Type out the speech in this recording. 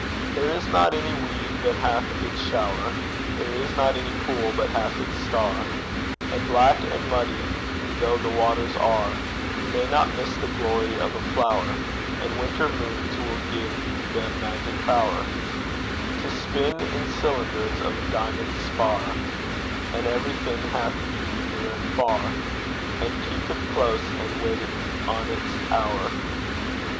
There is not any weed but hath its shower, There is not any pool but hath its star; And black and muddy though the waters are, We may not miss the glory of a flower, And winter moons will give them magic power To spin in cylinders of diamond spar; And everything hath beauty near and far, And keepeth close and waiteth on its hour.